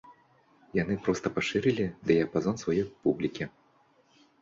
Яны проста пашырылі дыяпазон сваёй публікі.